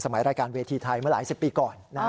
สมัยรายการเวทีไทยมาหลายสิบปีก่อน